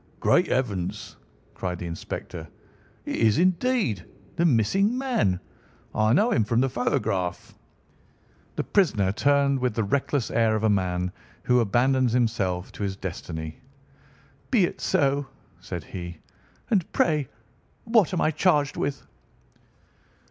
"Great heavens!" cried the inspector, "it is, indeed, the missing man. I know him from the photograph." The prisoner turned with the reckless air of a man who abandons himself to his destiny. "Be it so," said he. "And pray what am I charged with?"